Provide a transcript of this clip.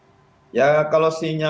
jadi kita harus mengikuti pidato pidatonya